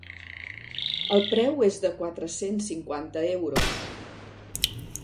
El preu és de quatre-cents cinquanta euros.